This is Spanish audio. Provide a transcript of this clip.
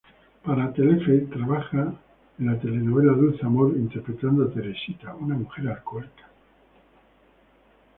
Para Telefe trabaja en la telenovela "Dulce amor", interpretando a Teresita, una mujer alcohólica.